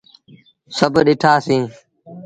سڀ ڏٺآ سيٚيٚن۔